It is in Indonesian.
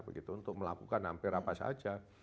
begitu untuk melakukan hampir apa saja